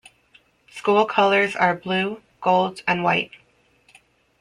School colors are blue, gold, and white.